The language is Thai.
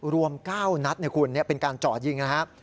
รวม๙นัทเป็นการจอดยิงนะครับ